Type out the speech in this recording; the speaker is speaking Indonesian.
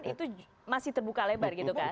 itu masih terbuka lebar gitu kan